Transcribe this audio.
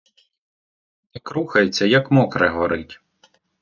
Так рухається, як мокре горить.